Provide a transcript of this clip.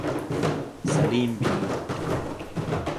Salim bin Mohd.